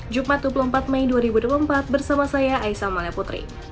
jumat dua puluh empat mei dua ribu dua puluh empat bersama saya aisa mala putri